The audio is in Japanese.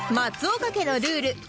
松丘家のルール